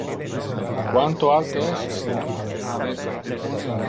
Quanto alte es iste turre?